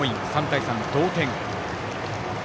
３対３、同点。